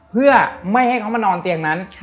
เพื่อไม่ให้เขามานอนเตียงนั้น